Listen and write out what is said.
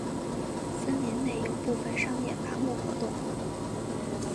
森林内有部分商业伐木活动。